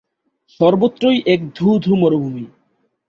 সর্বত্রই এক ধূ ধূ মরুভূমি।